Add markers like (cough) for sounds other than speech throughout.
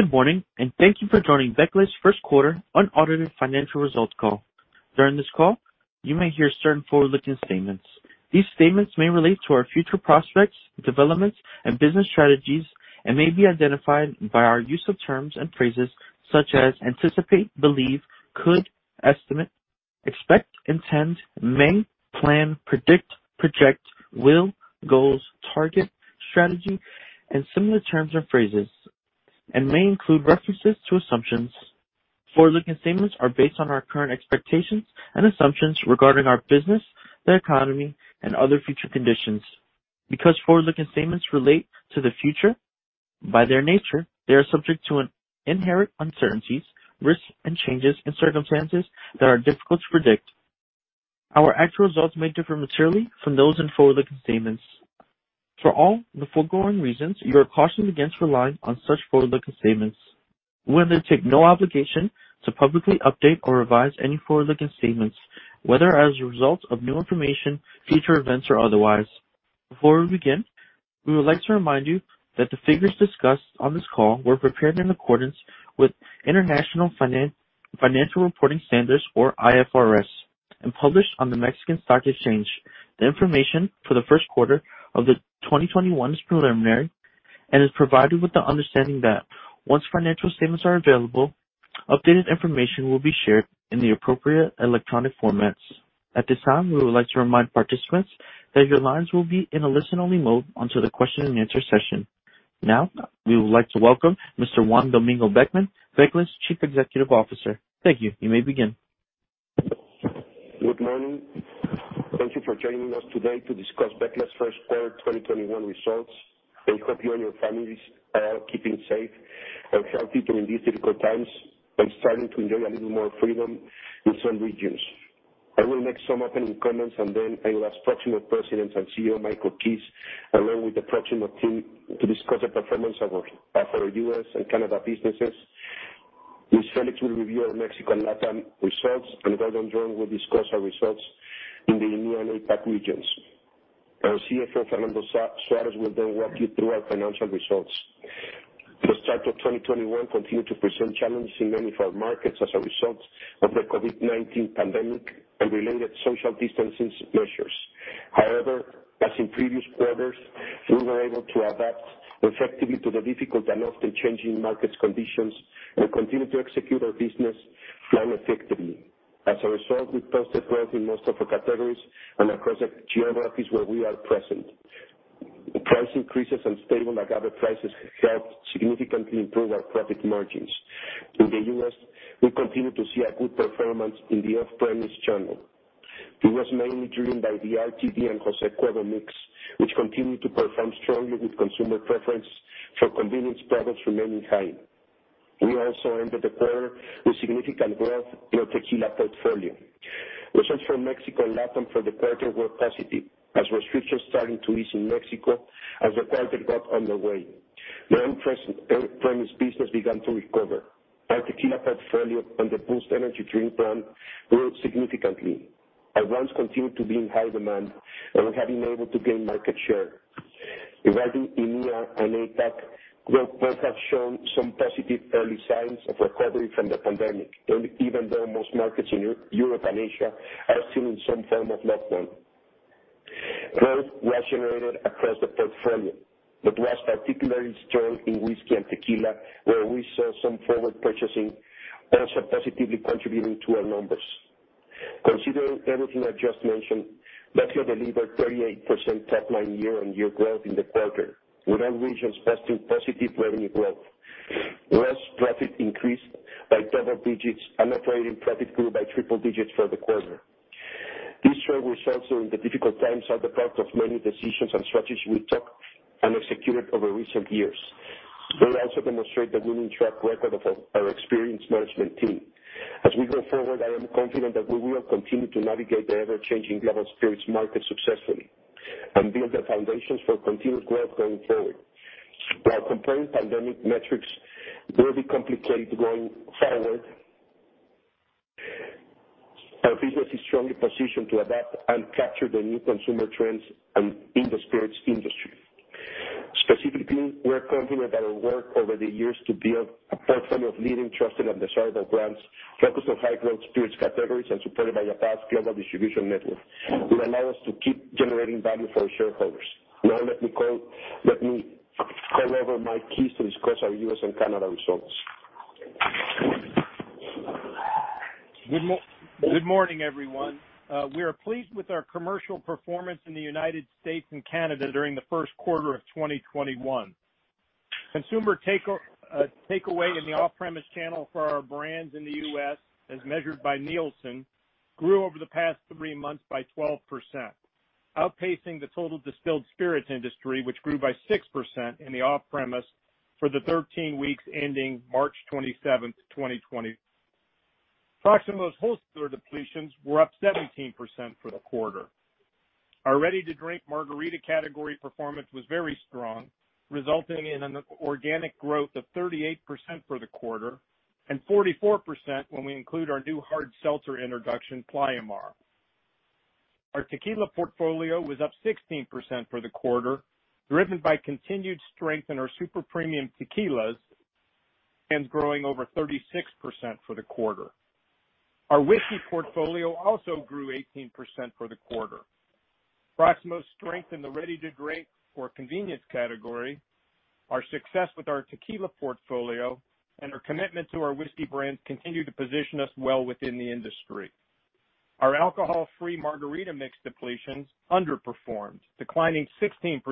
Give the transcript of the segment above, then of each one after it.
Good morning, and thank you for joining Becle's Q1 unaudited financial results call. During this call, you may hear certain forward-looking statements. These statements may relate to our future prospects, developments, and business strategies, and may be identified by our use of terms and phrases such as anticipate, believe, could, estimate, expect, intend, may, plan, predict, project, will, goals, target, strategy, and similar terms or phrases, and may include references to assumptions. Forward-looking statements are based on our current expectations and assumptions regarding our business, the economy, and other future conditions. Because forward-looking statements relate to the future, by their nature, they are subject to inherent uncertainties, risks, and changes in circumstances that are difficult to predict. Our actual results may differ materially from those in forward-looking statements. For all the foregoing reasons, you are cautioned against relying on such forward-looking statements. We undertake no obligation to publicly update or revise any forward-looking statements, whether as a result of new information, future events, or otherwise. Before we begin, we would like to remind you that the figures discussed on this call were prepared in accordance with International Financial Reporting Standards, or IFRS, and published on the Mexican Stock Exchange. The information for the Q1 of 2021 is preliminary and is provided with the understanding that once financial statements are available, updated information will be shared in the appropriate electronic formats. At this time, we would like to remind participants that your lines will be in a listen-only mode until the question-and-answer session. Now, we would like to welcome Mr. Juan Domingo Beckmann, Becle's Chief Executive Officer. Thank you. You may begin. Good morning. Thank you for joining us today to discuss Becle's Q1 2021 results. I hope you and your families are all keeping safe and healthy during these difficult times and starting to enjoy a little more freedom in some regions. I will make some opening comments, and then I will ask Proximo's President and CEO Michael Keyes, along with the Proximo team, to discuss the performance of our U.S. and Canada businesses. Luis Félix will review our Mexican LATAM results, and Gordon Dron will discuss our results in the EMEA and APAC regions. Our CFO, Fernando Suárez, will then walk you through our financial results. The start of 2021 continued to present challenges in many of our markets as a result of the COVID-19 pandemic and related social distancing measures. However, as in previous quarters, we were able to adapt effectively to the difficult and often changing market conditions and continue to execute our business plan effectively. As a result, we posted growth in most of our categories and across the geographies where we are present. Price increases and stable agave prices helped significantly improve our profit margins. In the U.S., we continue to see a good performance in the off-premise channel. It was mainly driven by the RTD and José Cuervo mix, which continued to perform strongly with consumer preference for convenience products remaining high. We also ended the quarter with significant growth in our tequila portfolio. Results for Mexico and LATAM for the quarter were positive as restrictions started to ease in Mexico as the quarter got underway. The on-premise business began to recover. Our tequila portfolio and the Boost Energy drink b grew significantly. Our wines continue to be in high demand, and we have been able to gain market share. Regarding EMEA and APAC, growth both have shown some positive early signs of recovery from the pandemic, even though most markets in Europe and Asia are still in some form of lockdown. Growth was generated across the portfolio, but was particularly strong in whiskey and tequila, where we saw some forward purchasing also positively contributing to our numbers. Considering everything I just mentioned, Becle delivered 38% top-line year-on-year growth in the quarter, with all regions posting positive revenue growth. Gross profit increased by double digits, and operating profit grew by triple digits for the quarter. These strong results during the difficult times are the product of many decisions and strategies we took and executed over recent years. They also demonstrate the winning track record of our experienced management team. As we go forward, I am confident that we will continue to navigate the ever-changing global spirits market successfully and build the foundations for continued growth going forward. While comparing pandemic metrics will be complicated going forward, our business is strongly positioned to adapt and capture the new consumer trends in the spirits industry. Specifically, we are confident that our work over the years to build a portfolio of leading, trusted, and desirable brands focused on high-growth spirits categories and supported by a vast global distribution network will allow us to keep generating value for our shareholders. Now, let me call over Mike Keyes to discuss our U.S. and Canada results. Good morning, everyone. We are pleased with our commercial performance in the United States and Canada during the Q1 of 2021. Consumer takeaway in the off-premise channel for our brands in the U.S., as measured by Nielsen, grew over the past three months by 12%, outpacing the total distilled spirits industry, which grew by 6% in the off-premise for the 13 weeks ending 27 March 2020. Proximo wholesaler depletions were up 17% for the quarter. Our ready-to-drink margarita category performance was very strong, resulting in an organic growth of 38% for the quarter and 44% when we include our new hard seltzer introduction, Playamar. Our tequila portfolio was up 16% for the quarter, driven by continued strength in our super premium tequilas, and growing over 36% for the quarter. Our whiskey portfolio also grew 18% for the quarter. Proximo strength in the ready-to-drink or convenience category, our success with our tequila portfolio, and our commitment to our whiskey brands continue to position us well within the industry. Our alcohol-free margarita mix depletions underperformed, declining 16%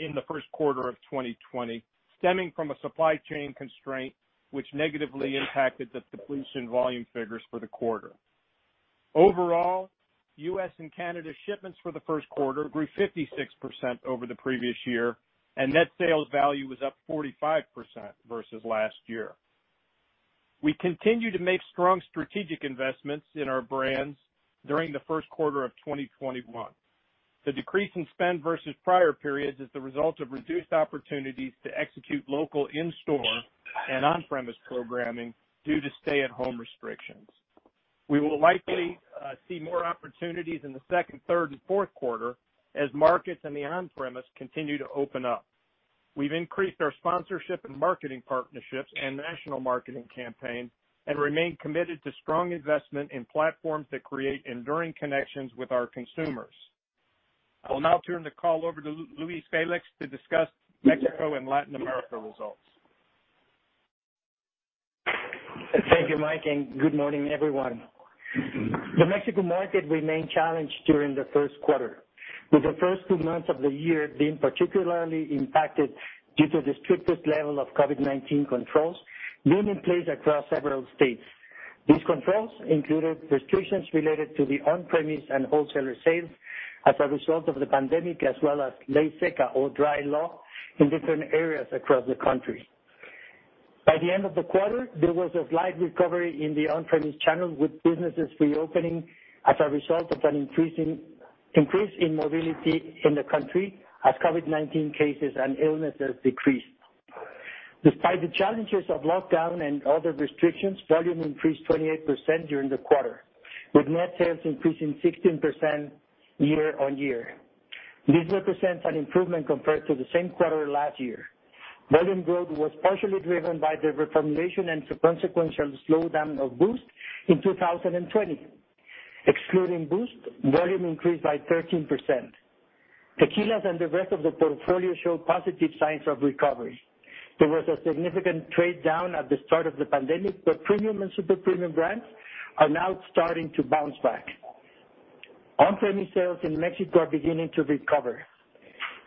in the Q1 of 2020, stemming from a supply chain constraint, which negatively impacted the depletion volume figures for the quarter. Overall, U.S. and Canada shipments for the Q1 grew 56% over the previous year, and net sales value was up 45% versus last year. We continue to make strong strategic investments in our brands during the Q1 of 2021. The decrease in spend versus prior periods is the result of reduced opportunities to execute local in-store and on-premise programming due to stay-at-home restrictions. We will likely see more opportunities in the second, third, and Q4 as markets in the on-premise continue to open up. We've increased our sponsorship and marketing partnerships and national marketing campaigns and remain committed to strong investment in platforms that create enduring connections with our consumers. I will now turn the call over to Luis Félix to discuss Mexico and Latin America results. Thank you, Mike, and good morning, everyone. The Mexico market remained challenged during the Q1, with the first two months of the year being particularly impacted due to the strictest level of COVID-19 controls being in place across several states. These controls included restrictions related to the on-premise and wholesaler sales as a result of the pandemic, as well as Ley Seca or Dry Law, in different areas across the country. By the end of the quarter, there was a slight recovery in the on-premise channel, with businesses reopening as a result of an increase in mobility in the country as COVID-19 cases and illnesses decreased. Despite the challenges of lockdown and other restrictions, volume increased 28% during the quarter, with net sales increasing 16% year-on-year. This represents an improvement compared to the same quarter last year. Volume growth was partially driven by the reformulation and consequential slowdown of boost in 2020. Excluding boost, volume increased by 13%. Tequilas and the rest of the portfolio showed positive signs of recovery. There was a significant trade-down at the start of the pandemic, but premium and super premium brands are now starting to bounce back. On-premise sales in Mexico are beginning to recover.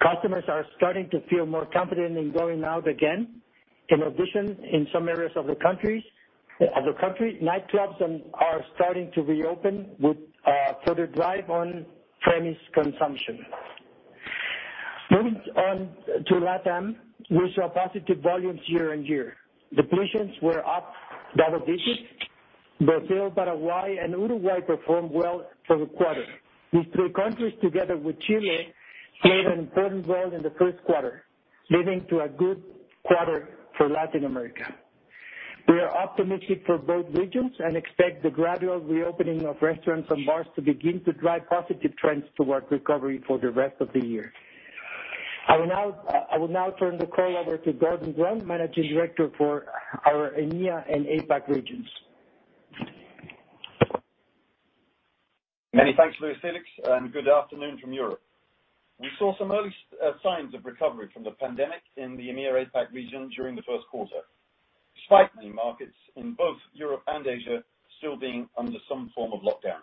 Customers are starting to feel more confident in going out again. In addition, in some areas of the country, nightclubs are starting to reopen with a further drive on-premise consumption. Moving on to LATAM, we saw positive volumes year-on-year. Depletions were up double digits. Brazil, Paraguay, and Uruguay performed well for the quarter. These three countries, together with Chile, played an important role in the Q1, leading to a good quarter for Latin America. We are optimistic for both regions and expect the gradual reopening of restaurants and bars to begin to drive positive trends toward recovery for the rest of the year. I will now turn the call over to Gordon Dron, Managing Director for our EMEA and APAC regions. Many thanks, Luis Félix, and good afternoon from Europe. We saw some early signs of recovery from the pandemic in the EMEA and APAC region during the Q1, despite many markets in both Europe and Asia still being under some form of lockdown.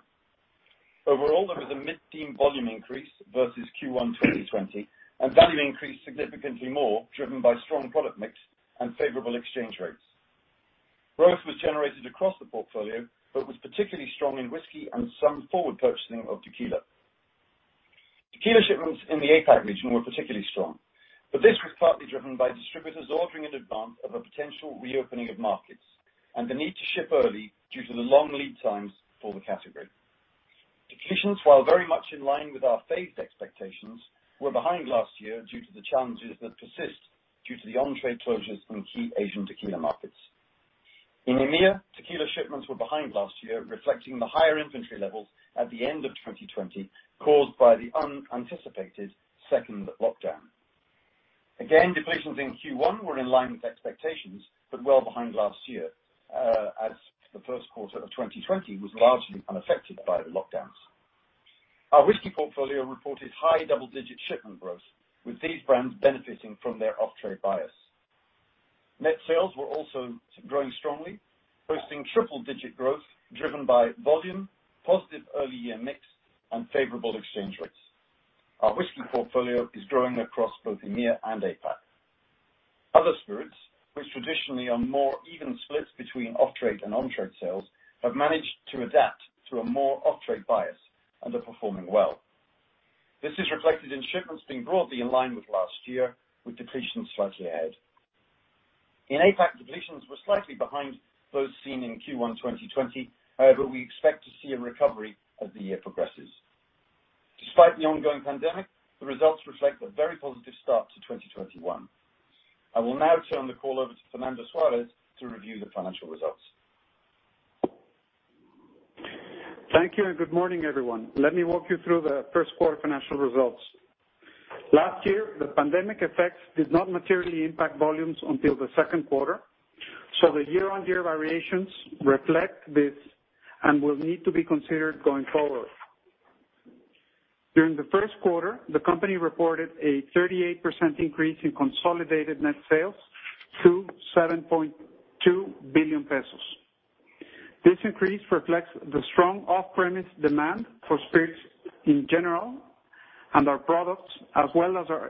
Overall, there was a mid-teens volume increase versus Q1 2020, and value increased significantly more, driven by strong product mix and favorable exchange rates. Growth was generated across the portfolio, but was particularly strong in whiskey and some forward purchasing of tequila. Tequila shipments in the APAC region were particularly strong, but this was partly driven by distributors ordering in advance of a potential reopening of markets and the need to ship early due to the long lead times for the category. Depletions, while very much in line with our phased expectations, were behind last year due to the challenges that persist due to the on-trade closures in key Asian tequila markets. In EMEA, tequila shipments were behind last year, reflecting the higher inventory levels at the end of 2020 caused by the unanticipated second lockdown. Again, depletions in Q1 were in line with expectations, but well behind last year, as the Q1 of 2020 was largely unaffected by the lockdowns. Our whiskey portfolio reported high double-digit shipment growth, with these brands benefiting from their off-trade bias. Net sales were also growing strongly, posting triple-digit growth driven by volume, positive early-year mix, and favorable exchange rates. Our whiskey portfolio is growing across both EMEA and APAC. Other spirits, which traditionally are more even splits between off-trade and on-trade sales, have managed to adapt to a more off-trade bias and are performing well. This is reflected in shipments being broadly in line with last year, with depletions slightly ahead. In APAC, depletions were slightly behind those seen in Q1 2020. However, we expect to see a recovery as the year progresses. Despite the ongoing pandemic, the results reflect a very positive start to 2021. I will now turn the call over to Fernando Suárez to review the financial results. Thank you, and good morning, everyone. Let me walk you through the Q1 financial results. Last year, the pandemic effects did not materially impact volumes until the Q2, so the year-on-year variations reflect this and will need to be considered going forward. During the Q1, the company reported a 38% increase in consolidated net sales to 7.2 billion pesos. This increase reflects the strong off-premise demand for spirits in general and our products, as well as our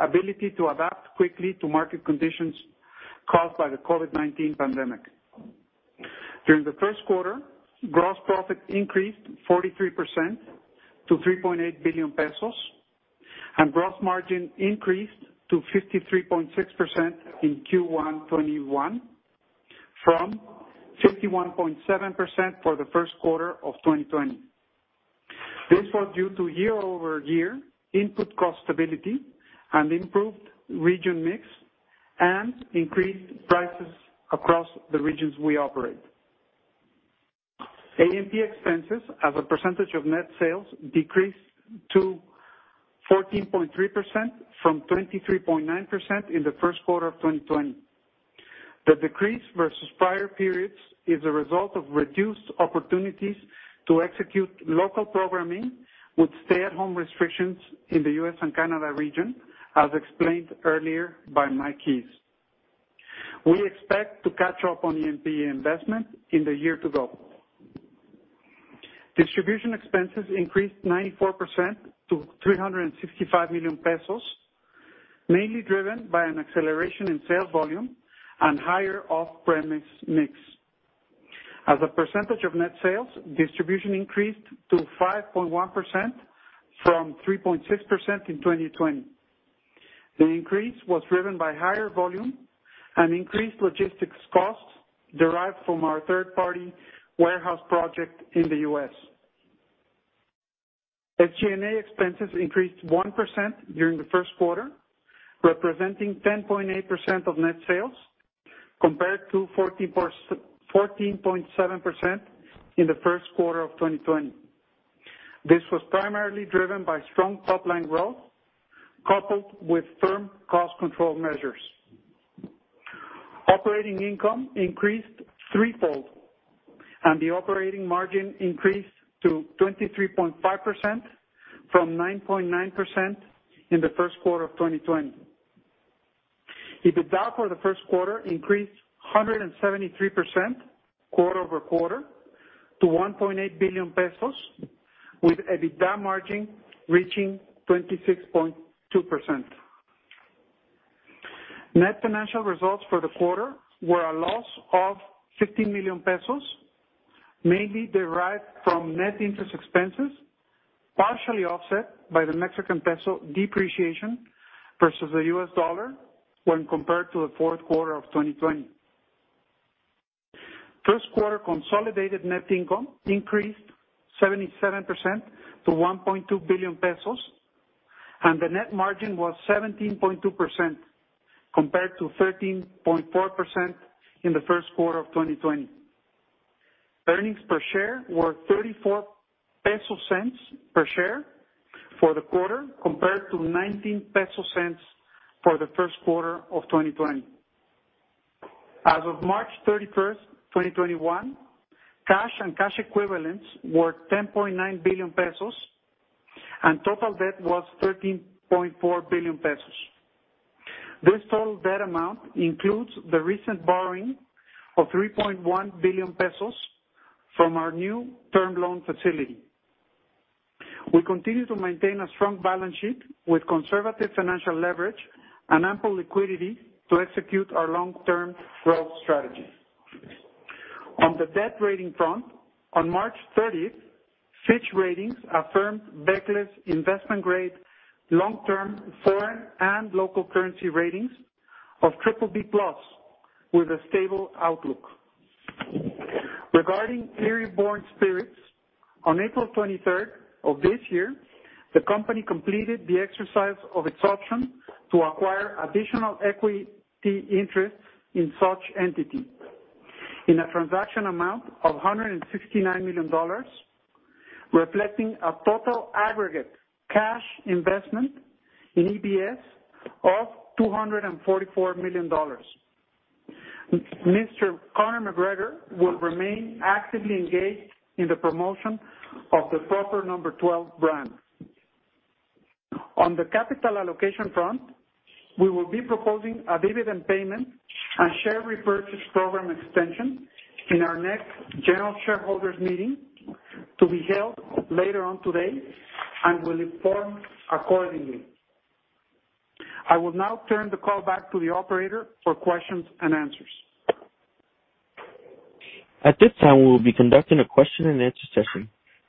ability to adapt quickly to market conditions caused by the COVID-19 pandemic. During the Q1, gross profit increased 43% to 3.8 billion pesos, and gross margin increased to 53.6% in Q1 2021 from 51.7% for the Q1 of 2020. This was due to year-over-year input cost stability and improved region mix and increased prices across the regions we operate. AMP expenses, as a percentage of net sales, decreased to 14.3% from 23.9% in the Q1 of 2020. The decrease versus prior periods is the result of reduced opportunities to execute local programming with stay-at-home restrictions in the U.S. and Canada region, as explained earlier by Mike Keyes. We expect to catch up on AMP investment in the year to go. Distribution expenses increased 94% to 365 million pesos, mainly driven by an acceleration in sales volume and higher off-premise mix. As a percentage of net sales, distribution increased to 5.1% from 3.6% in 2020. The increase was driven by higher volume and increased logistics costs derived from our third-party warehouse project in the U.S. SG&A expenses increased 1% during the Q1, representing 10.8% of net sales, compared to 14.7% in the Q1 of 2020. This was primarily driven by strong pipeline growth coupled with firm cost control measures. Operating income increased threefold, and the operating margin increased to 23.5% from 9.9% in the Q1 of 2020. EBITDA for the Q1 increased 173% quarter-over-quarter to 1.8 billion pesos, with EBITDA margin reaching 26.2%. Net financial results for the quarter were a loss of 15 million pesos, mainly derived from net interest expenses, partially offset by the Mexican peso depreciation versus the U.S. dollar when compared to the Q4 of 2020. Q1 consolidated net income increased 77% to 1.2 billion pesos, and the net margin was 17.2% compared to 13.4% in the Q1 of 2020. Earnings per share were 0.34 per share for the quarter, compared to 0.19 for the Q1 of 2020. As of 31 March 2021, cash and cash equivalents were 10.9 billion pesos, and total debt was 13.4 billion pesos. This total debt amount includes the recent borrowing of 3.1 billion pesos from our new term loan facility. We continue to maintain a strong balance sheet with conservative financial leverage and ample liquidity to execute our long-term growth strategy. On the debt rating front, on March 30, Fitch Ratings affirmed Becle's investment-grade long-term foreign and local currency ratings of BBB plus, with a stable outlook. Regarding Eire Born Spirits, on April 23rd of this year, the company completed the exercise of its option to acquire additional equity interests in such entity in a transaction amount of $169 million, reflecting a total aggregate cash investment in EBS of $244 million. Mr. Conor McGregor will remain actively engaged in the promotion of the Proper No. Twelve brand. On the capital allocation front, we will be proposing a dividend payment and share repurchase program extension in our next general shareholders meeting to be held later on today, and we'll inform accordingly. I will now turn the call back to the operator for questions and answers. At this time, we will be conducting a question-and-answer session.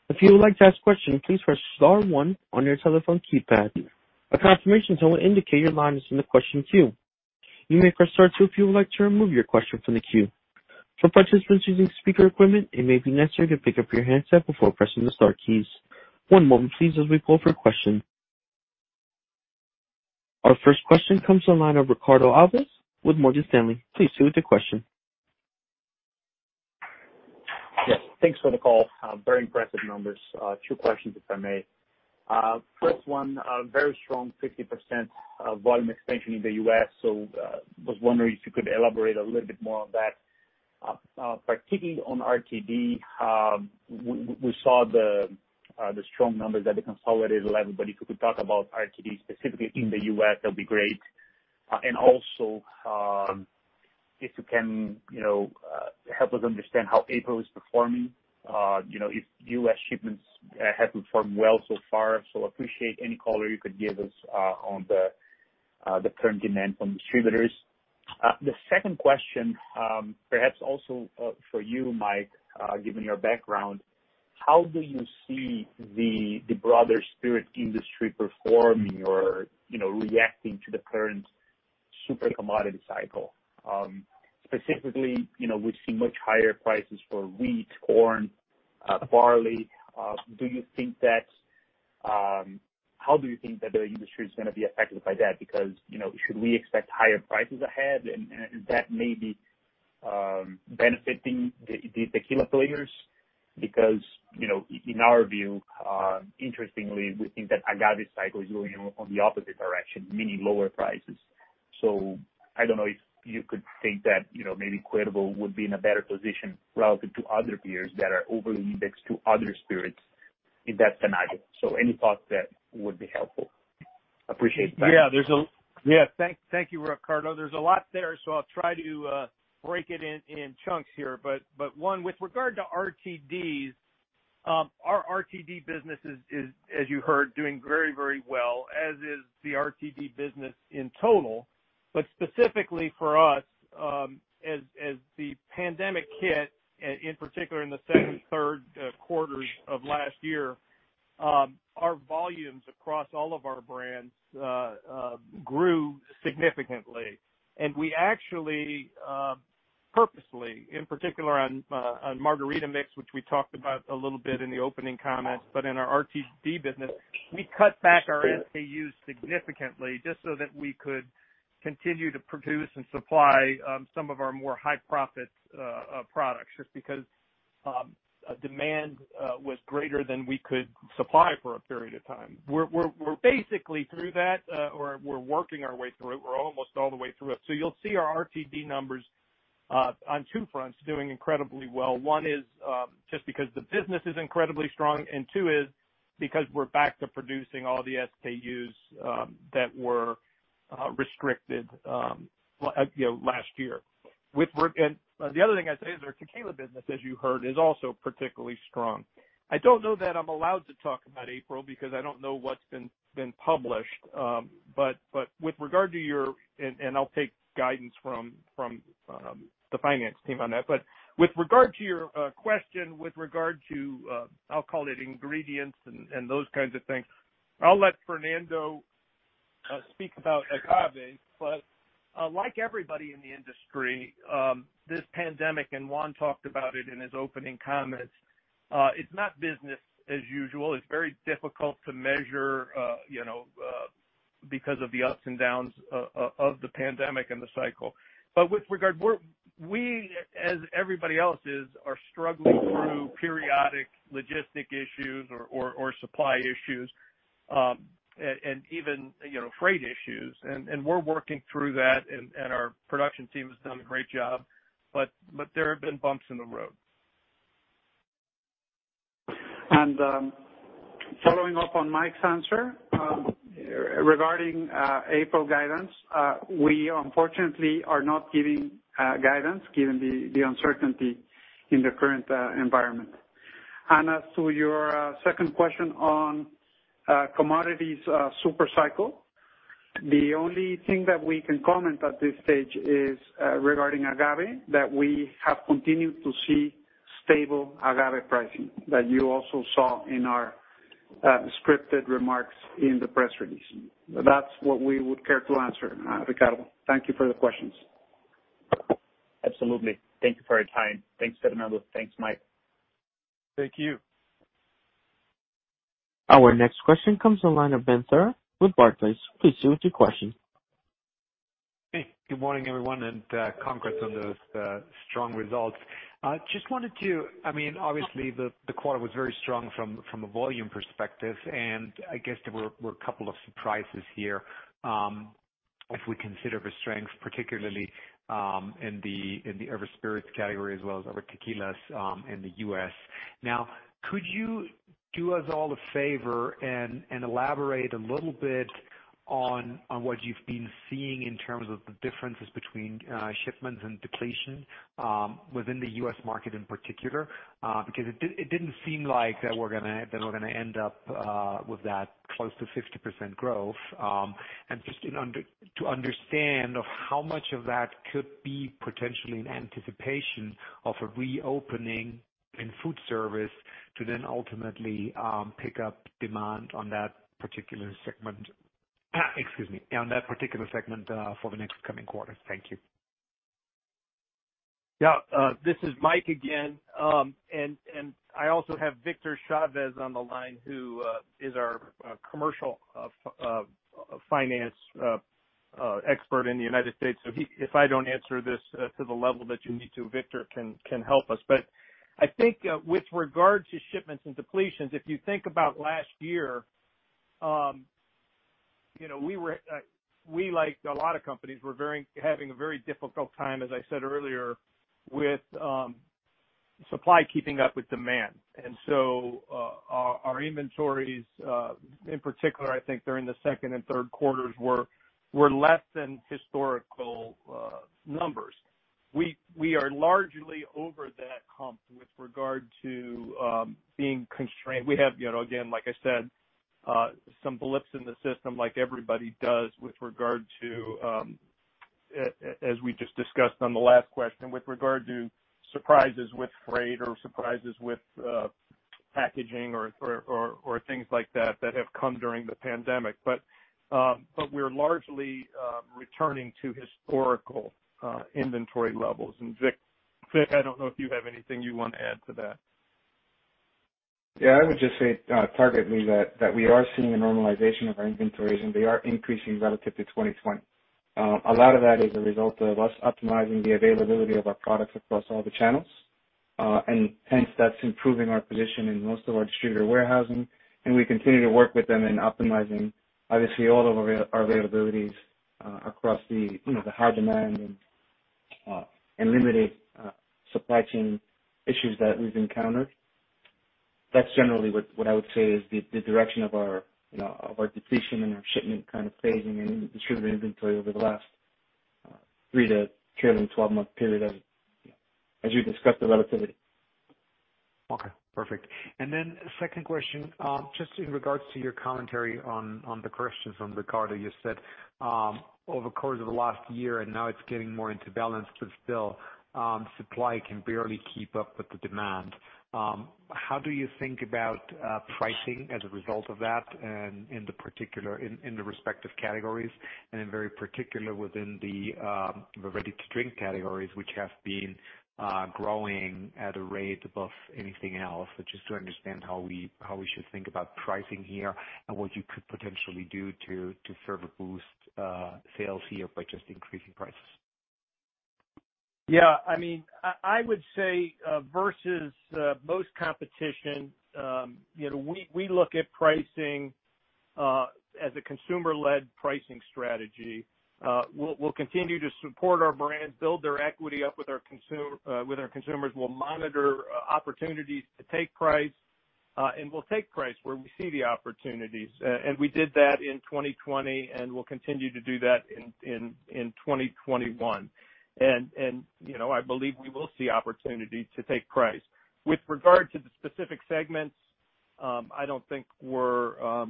If you would like to ask a question, please press star one on your telephone keypad. A confirmation tone will indicate your line is in the question queue. You may press star two if you would like to remove your question from the queue. For participants using speaker equipment, it may be necessary to pick up your handset before pressing the star keys. One moment, please, as we pull up your question. Our first question comes from the line of Ricardo Alves with Morgan Stanley. Please state your question. Yes, thanks for the call. Very impressive numbers. Two questions, if I may. First one, very strong 50% volume extension in the U.S., so I was wondering if you could elaborate a little bit more on that. Particularly on RTD, we saw the strong numbers at the consolidated level, but if you could talk about RTD specifically in the U.S., that would be great. And also, if you can help us understand how April is performing, if U.S. shipments have performed well so far, so appreciate any color you could give us on the current demand from distributors. The second question, perhaps also for you, Mike, given your background, how do you see the broader spirit industry performing or reacting to the current super commodity cycle? Specifically, we've seen much higher prices for wheat, corn, barley. How do you think that the industry is going to be affected by that? Because should we expect higher prices ahead, and is that maybe benefiting the tequila players? Because in our view, interestingly, we think that agave cycle is going in the opposite direction, meaning lower prices. So, I don't know if you could think that maybe Cuervo would be in a better position relative to other peers that are overly indexed to other spirits in that scenario. So any thoughts that would be helpful? Appreciate that. Yeah, thank you, Ricardo. There's a lot there, so I'll try to break it in chunks here. But one, with regard to RTDs, our RTD business is, as you heard, doing very, very well, as is the RTD business in total. But specifically for us, as the pandemic hit, in particular in the Q2 and Q3 of last year, our volumes across all of our brands grew significantly. And we actually purposely, in particular on margarita mix, which we talked about a little bit in the opening comments, but in our RTD business, we cut back our SKUs significantly just so that we could continue to produce and supply some of our more high-profit products just because demand was greater than we could supply for a period of time. We're basically through that, or we're working our way through it. We're almost all the way through it. You'll see our RTD numbers on two fronts doing incredibly well. One is just because the business is incredibly strong, and two is because we're back to producing all the SKUs that were restricted last year. The other thing I'd say is our tequila business, as you heard, is also particularly strong. I don't know that I'm allowed to talk about April because I don't know what's been published. With regard to your question and I'll take guidance from the finance team on that. I'll call it ingredients and those kinds of things. I'll let Fernando speak about agave. Like everybody in the industry, this pandemic, and Juan talked about it in his opening comments, it's not business as usual. It's very difficult to measure because of the ups and downs of the pandemic and the cycle. But with regard, we, as everybody else is, are struggling through periodic logistics issues or supply issues and even freight issues. And we're working through that, and our production team has done a great job. But there have been bumps in the road. And following up on Mike's answer regarding April guidance, we unfortunately are not giving guidance given the uncertainty in the current environment. And as to your second question on commodities super cycle, the only thing that we can comment at this stage is regarding agave that we have continued to see stable agave pricing that you also saw in our scripted remarks in the press release. That's what we would care to answer, Ricardo. Thank you for the questions. Absolutely. Thank you for your time. Thanks, Fernando. Thanks, Mike. Thank you. Our next question comes from Ben Theurer with Barclays. Please state your question. Hey, good morning, everyone, and congrats on those strong results. Just wanted to, I mean, obviously, the quarter was very strong from a volume perspective, and I guess there were a couple of surprises here if we consider the strength, particularly in the RTD spirits category as well as our tequilas in the U.S. Now, could you do us all a favor and elaborate a little bit on what you've been seeing in terms of the differences between shipments and depletion within the U.S. market in particular? Because it didn't seem like that we're going to end up with that close to 50% growth. And just to understand how much of that could be potentially an anticipation of a reopening in food service to then ultimately pick up demand on that particular segment, excuse me, on that particular segment for the next coming quarter. Thank you. Yeah, this is Mike again. And I also have Victor Chavez on the line, who is our commercial finance expert in the United States. So if I don't answer this to the level that you need to, Victor can help us. But I think with regard to shipments and depletions, if you think about last year, we were like a lot of companies. We're having a very difficult time, as I said earlier, with supply keeping up with demand. And so our inventories, in particular, I think during the Q2 and Q3s, were less than historical numbers. We are largely over that hump with regard to being constrained. We have, again, like I said, some blips in the system, like everybody does, with regard to, as we just discussed on the last question, with regard to surprises with freight or surprises with packaging or things like that that have come during the pandemic, but we're largely returning to historical inventory levels. And Vic, I don't know if you have anything you want to add to that. Yeah, I would just say, tactically, that we are seeing a normalization of our inventories, and they are increasing relative to 2020. A lot of that is a result of us optimizing the availability of our products across all the channels. And hence, that's improving our position in most of our distributor warehousing. And we continue to work with them in optimizing, obviously, all of our availabilities across the high demand and limited supply chain issues that we've encountered. That's generally what I would say is the direction of our depletion and our shipment kind of phasing and distributor inventory over the last 3- to 12-month period, as you discussed the relativity. Okay, perfect. And then second question, just in regards to your commentary on the questions from Ricardo, you said over the course of the last year, and now it's getting more into balance, but still, supply can barely keep up with the demand. How do you think about pricing as a result of that in the particular, in the respective categories, and in very particular within the ready-to-drink categories, which have been growing at a rate above anything else? But just to understand how we should think about pricing here and what you could potentially do to boost sales here by just increasing prices. Yeah, I mean, I would say versus most competition, we look at pricing as a consumer-led pricing strategy. We'll continue to support our brands, build their equity up with our consumers. We'll monitor opportunities to take price, and we'll take price where we see the opportunities. And we did that in 2020, and we'll continue to do that in 2021. And I believe we will see opportunity to take price. With regard to the specific segments, I don't think we're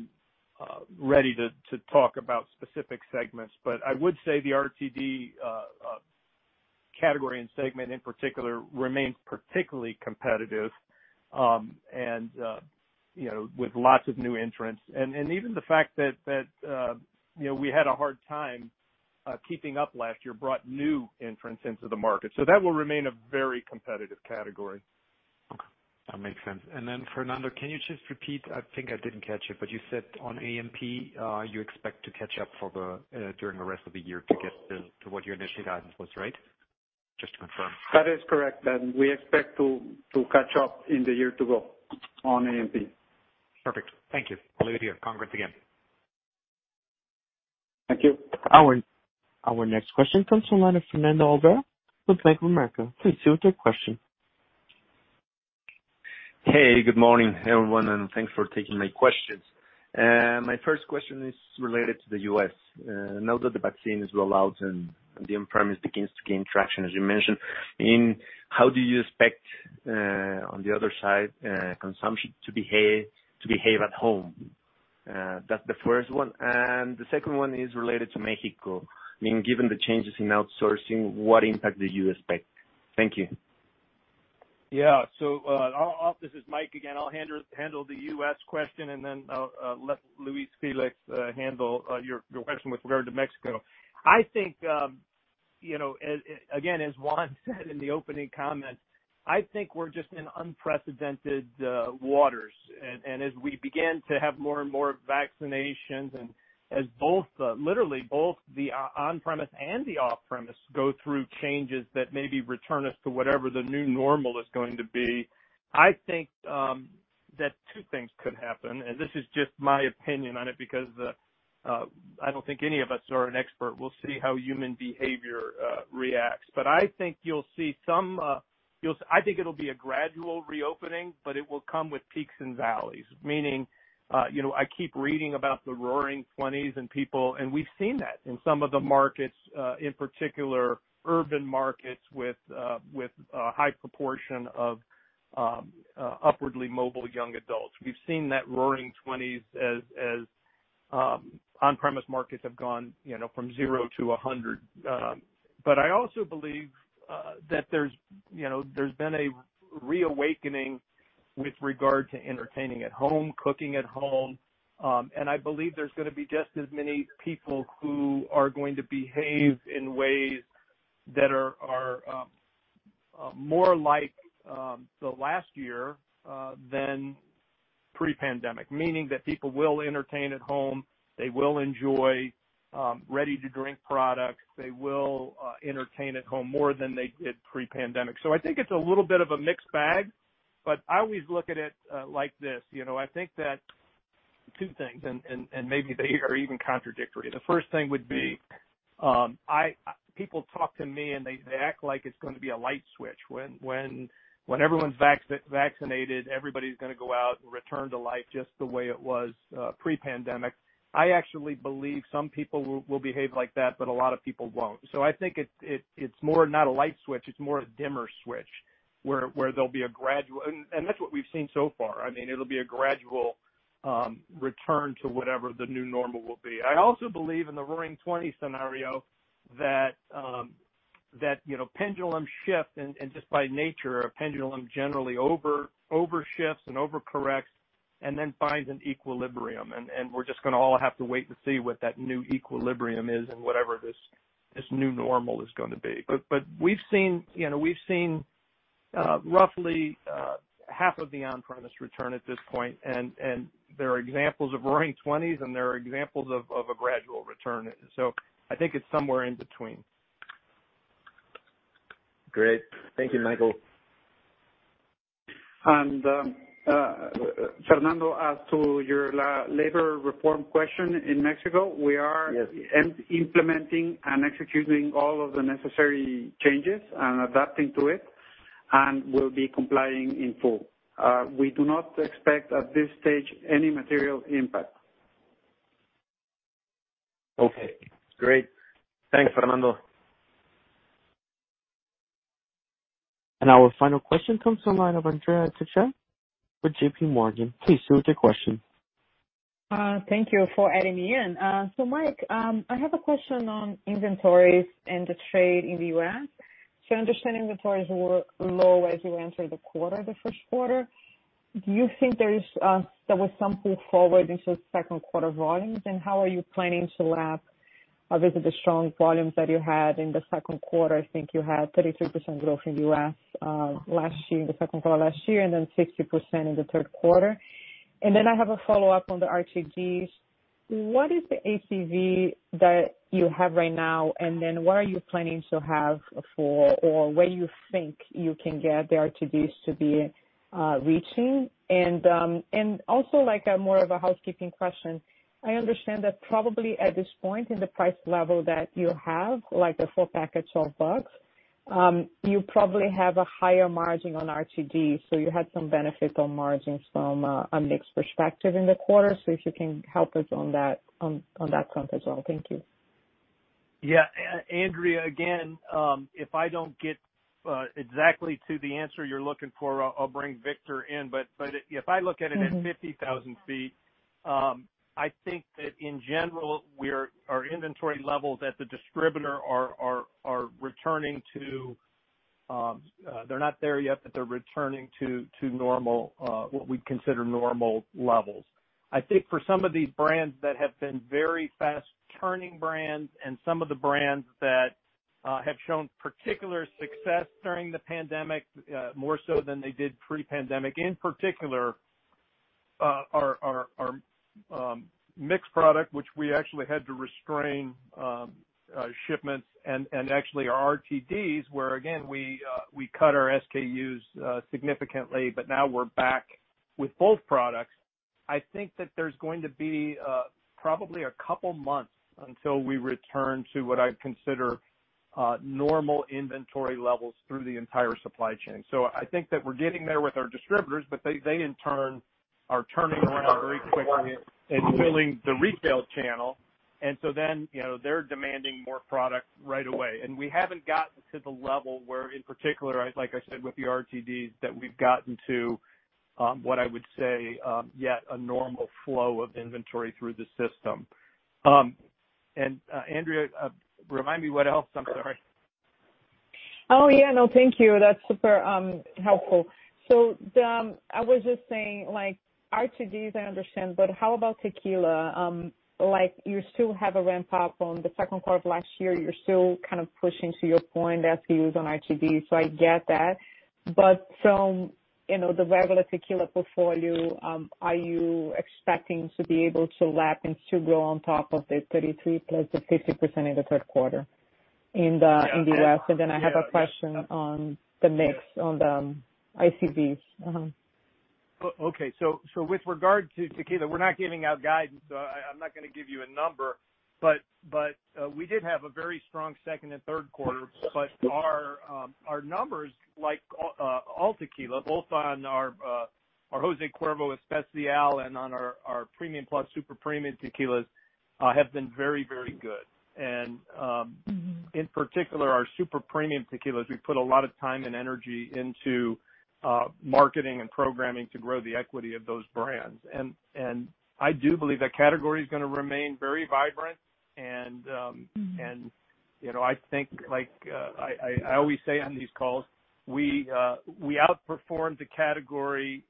ready to talk about specific segments. But I would say the RTD category and segment in particular remains particularly competitive and with lots of new entrants. And even the fact that we had a hard time keeping up last year brought new entrants into the market. So that will remain a very competitive category. Okay, that makes sense. And then, Fernando, can you just repeat? I think I didn't catch it, but you said on AMP, you expect to catch up during the rest of the year to get to what your initial guidance was, right? Just to confirm. That is correct, and we expect to catch up in the year to go on AMP. Perfect. Thank you. Olga, congrats again. Our next question comes from Fernando Ferreira with Bank of America. Please state your question. Hey, good morning, everyone, and thanks for taking my questions. My first question is related to the U.S. Now that the vaccine is rolled out and the on-premise is beginning to gain traction, as you mentioned, how do you expect on the other side consumption to behave at home? That's the first one. And the second one is related to Mexico. I mean, given the changes in outsourcing, what impact do you expect? Thank you. Yeah, so this is Mike again. I'll handle the U.S. question, and then let Luis Félix handle your question with regard to Mexico. I think, again, as Juan said in the opening comments, I think we're just in unprecedented waters. And as we begin to have more and more vaccinations and as literally both the on-premise and the off-premise go through changes that maybe return us to whatever the new normal is going to be, I think that two things could happen. And this is just my opinion on it because I don't think any of us are an expert. We'll see how human behavior reacts. But I think you'll see some I think it'll be a gradual reopening, but it will come with peaks and valleys. Meaning, I keep reading about the roaring 20s and people, and we've seen that in some of the markets, in particular urban markets with a high proportion of upwardly mobile young adults. We've seen that roaring 20s as on-premise markets have gone from 0 to 100. But I also believe that there's been a reawakening with regard to entertaining at home, cooking at home. And I believe there's going to be just as many people who are going to behave in ways that are more like the last year than pre-pandemic, meaning that people will entertain at home, they will enjoy ready-to-drink products, they will entertain at home more than they did pre-pandemic. So, I think it's a little bit of a mixed bag, but I always look at it like this. I think that two things, and maybe they are even contradictory. The first thing would be people talk to me and they act like it's going to be a light switch. When everyone's vaccinated, everybody's going to go out and return to life just the way it was pre-pandemic. I actually believe some people will behave like that, but a lot of people won't, so I think it's more not a light switch, it's more a dimmer switch where there'll be a gradual and that's what we've seen so far. I mean, it'll be a gradual return to whatever the new normal will be. I also believe in the roaring 20s scenario that pendulum shift and just by nature, a pendulum generally overshifts and overcorrects and then finds an equilibrium, and we're just going to all have to wait and see what that new equilibrium is and whatever this new normal is going to be. But we've seen roughly half of the on-premise return at this point. And there are examples of roaring 20s and there are examples of a gradual return. So, I think it's somewhere in between. Great. Thank you, Michael. Fernando, as to your labor reform question in Mexico. We are implementing and executing all of the necessary changes and adapting to it and will be complying in full. We do not expect at this stage any material impact. Okay, great. Thanks, Fernando. Our final question comes from Andrea Teixeira with J.P. Morgan. Please state your question. Thank you for adding me in. So Mike, I have a question on inventories and the trade in the U.S. So, I understand inventories were low as you entered the quarter of the Q1? Do you think there was some pull forward into the Q2 volumes? And how are you planning to lap visit the strong volumes that you had in the Q2? I think you had 33% growth in the U.S. last year, in the Q2 last year, and then 50% in the Q3. And then I have a follow-up on the RTDs. What is the ACV that you have right now? And then what are you planning to have for or where you think you can get the RTDs to be reaching? And also more of a housekeeping question. I understand that probably at this point in the price level that you have, like the four-pack at $12, you probably have a higher margin on RTDs. So you had some benefit on margins from a mixed perspective in the quarter. So, if you can help us on that front as well. Thank you. Yeah, Andrea, again, if I don't get exactly to the answer you're looking for, I'll bring Victor in. But if I look at it at 50,000 ft, I think that in general, our inventory levels at the distributor are returning to normal. They're not there yet, but they're returning to normal, what we'd consider normal levels. I think for some of these brands that have been very fast turning brands and some of the brands that have shown particular success during the pandemic, more so than they did pre-pandemic, in particular, our mixed product, which we actually had to restrain shipments and actually our RTDs, where again, we cut our SKUs significantly, but now we're back with both products. I think that there's going to be probably a couple of months until we return to what I'd consider normal inventory levels through the entire supply chain. So I think that we're getting there with our distributors, but they in turn are turning around very quickly and filling the retail channel. And so then they're demanding more product right away. And we haven't gotten to the level where, in particular, like I said, with the RTDs, that we've gotten to what I would say yet a normal flow of inventory through the system. And Andrea, remind me what else. I'm sorry. Oh, yeah, no, thank you. That's super helpful. So I was just saying RTDs, I understand, but how about Tequila? You still have a ramp-up on the Q2 of last year. You're still kind of pushing to your point, SKUs on RTDs. So I get that. But from the regular Tequila portfolio, are you expecting to be able to lap and still grow on top of the 33% plus the 50% in the Q3 in the US? And then I have a question on the mix on the ACVs. Okay, so with regard to tequila, we're not giving out guidance, so I'm not going to give you a number, but we did have a very strong Q2 and Q3, but our numbers, like all tequila, both on our José Cuervo Especial and on our Premium Plus Super Premium Tequilas, have been very, very good, and in particular, our Super Premium Tequilas, we put a lot of time and energy into marketing and programming to grow the equity of those brands, and I do believe that category is going to remain very vibrant, and I think, like I always say on these calls, we outperformed the category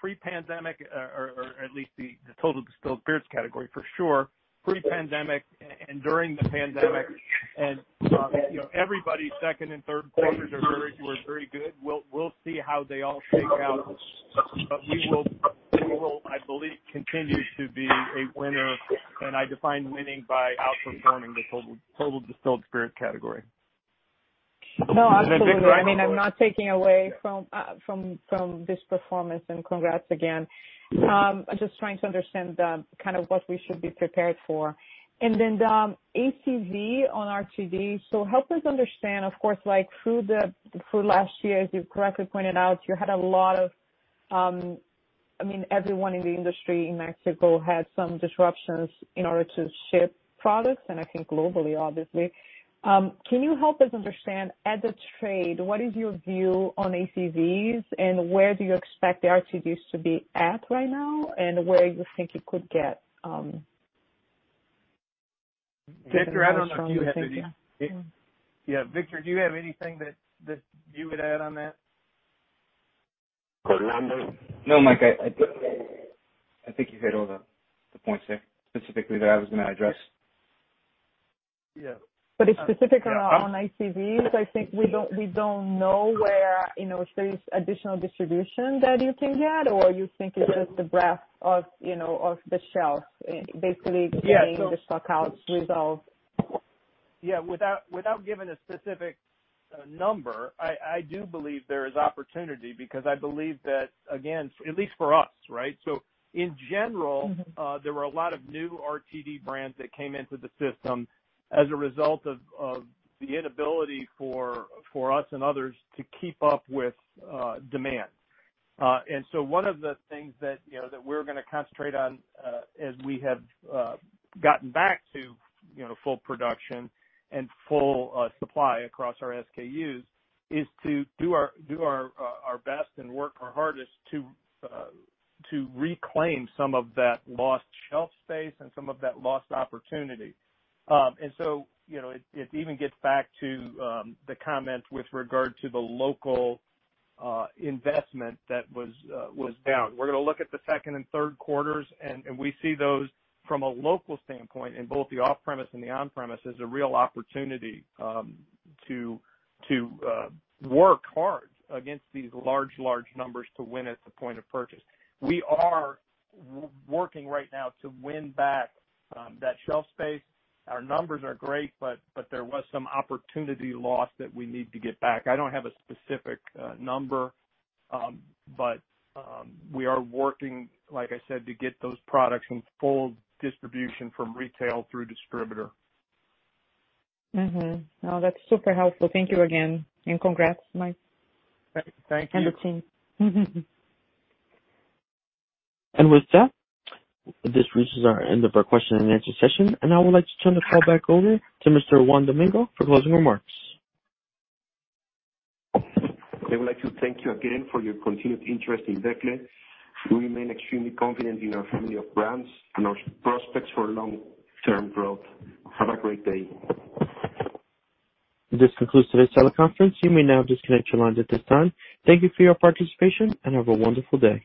pre-pandemic, or at least the total distilled spirits category for sure, pre-pandemic and during the pandemic, and everybody's Q2 and Q3s were very good. We'll see how they all shake out, but we will, I believe, continue to be a winner. I define winning by outperforming the total distilled spirit category. No, I mean, I'm not taking away from this performance. And congrats again. I'm just trying to understand kind of what we should be prepared for. And then the ACV on RTD, so help us understand, of course, through last year, as you correctly pointed out, you had a lot of, I mean, everyone in the industry in Mexico had some disruptions in order to ship products. And I think globally, obviously. Can you help us understand at the trade, what is your view on ACVs and where do you expect the RTDs to be at right now and where you think it could get? (crosstalk) Yeah, Victor, do you have anything that you would add on that? No, Mike, I think you hit all the points there specifically that I was going to address. Yeah. But it's specifically on ACVs. I think we don't know if there's additional distribution that you can get, or you think it's just the breadth of the shelf, basically getting the stock out, resolved? Yeah, without giving a specific number, I do believe there is opportunity because I believe that, again, at least for us, right? So in general, there were a lot of new RTD brands that came into the system as a result of the inability for us and others to keep up with demand. And so, one of the things that we're going to concentrate on as we have gotten back to full production and full supply across our SKUs is to do our best and work our hardest to reclaim some of that lost shelf space and some of that lost opportunity. And so, it even gets back to the comments with regard to the local investment that was down. We're going to look at the Q2 and Q3, and we see those from a local standpoint in both the off-premise and the on-premise as a real opportunity to work hard against these large, large numbers to win at the point of purchase. We are working right now to win back that shelf space. Our numbers are great, but there was some opportunity lost that we need to get back. I don't have a specific number, but we are working, like I said, to get those products in full distribution from retail through distributor. No, that's super helpful. Thank you again. And congrats, Mike. Thank you. The team. With that, this reaches the end of our question-and -answer session. I would like to turn the call back over to Mr. Juan Domingo for closing remarks. I woul`d like to thank you again for your continued interest in Becle. We remain extremely confident in our family of brands and our prospects for long-term growth. Have a great day. This concludes today's teleconference. You may now disconnect your lines at this time. Thank you for your participation and have a wonderful day.